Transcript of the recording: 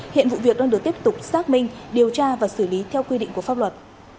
hiện vụ việc đang được tiếp tục xác minh điều tra và xử lý theo quy định của pháp luật